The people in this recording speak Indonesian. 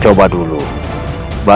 lihat yang aku lakukan